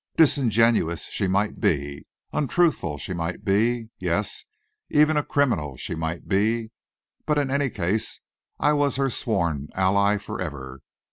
Disingenuous she might be, untruthful she might be, yes, even a criminal she might be, but in any case I was her sworn ally forever.